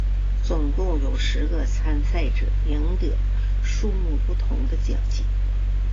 总共有十个参赛者赢得了数目不等的奖金。